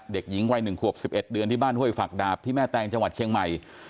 เด็กหญิงวัย๑ขวบ๑๑เดือนที่บ้านห้วยฝักดาบที่แม่แตงจังหวัดเชียงใหม่